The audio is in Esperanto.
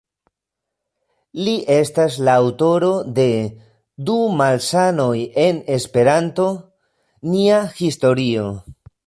Li estas la aŭtoro de "Du Malsanoj en Esperanto", "Nia Historio.